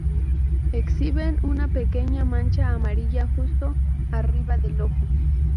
Exhiben una pequeña mancha amarilla justo arriba del ojo.